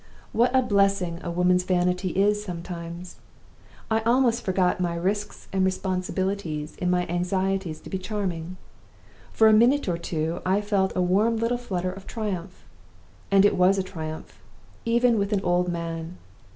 What a blessing a woman's vanity is sometimes! I almost forgot my risks and responsibilities in my anxieties to be charming. For a minute or two I felt a warm little flutter of triumph. And it was a triumph even with an old man!